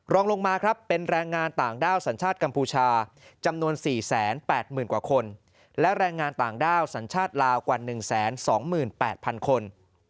รองลงมาครับเป็นแรงงานต่างด้าวสัญชาติกัมพูชาจำนวนสี่แสนแปดหมื่นกว่าคนและแรงงานต่างด้าวสัญชาติลาวกว่าหนึ่งแสนสองหมื่นแปดพันคน